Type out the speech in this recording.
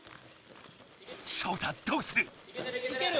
ショウタどうする？